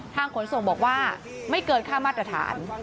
ขนส่งบอกว่าไม่เกินค่ามาตรฐาน